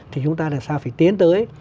thì chúng ta làm sao phải tiến tới